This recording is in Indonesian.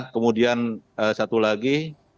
kemudian satu lagi